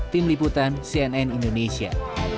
tim liputan cnn indonesia